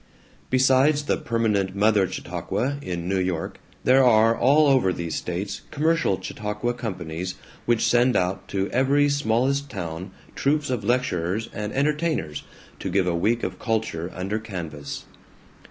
Besides the permanent Mother Chautauqua, in New York, there are, all over these States, commercial Chautauqua companies which send out to every smallest town troupes of lecturers and "entertainers" to give a week of culture under canvas.